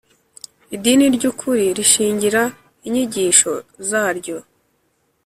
Idini ry ukuri rishingira inyigisho zaryo